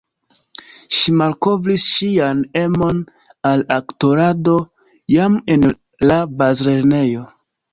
Ŝi malkovris ŝian emon al aktorado jam en la bazlernejo.